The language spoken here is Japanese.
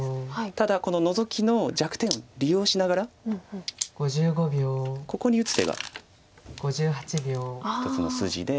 ただこのノゾキの弱点を利用しながらここに打つ手が一つの筋で。